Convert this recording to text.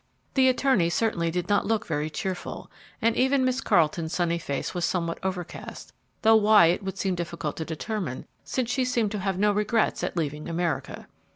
The attorney certainly did not look very cheerful, and even Miss Carleton's sunny face was somewhat overcast, though why, it would seem difficult to determine, since she seemed to have no regrets at leaving America.